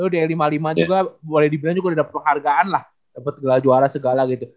lu di e lima puluh lima juga boleh dibilang juga udah dapet penghargaan lah dapet gelar juara segala gitu